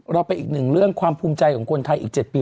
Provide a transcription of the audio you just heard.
เราไปอีกหนึ่งเรื่องความภูมิใจของคนไทยอีก๗ปี